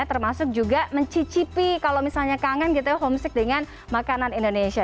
termasuk juga mencicipi kalau misalnya kangen gitu ya homesick dengan makanan indonesia